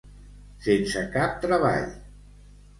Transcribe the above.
Sense cap treball.